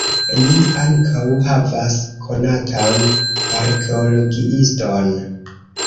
Ni ankaŭ havas konatan arkeologiiston.